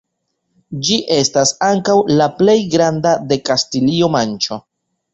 Ĝi estas ankaŭ la plej granda de Kastilio-Manĉo.